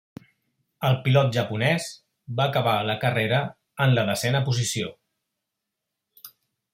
El pilot japonès va acabar la carrera en la desena posició.